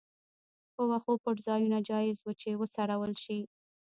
په وښو پټ ځایونه جایز وو چې وڅرول شي.